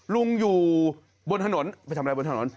ลุงอยู่บนถนนไปทำอะไรบนถนน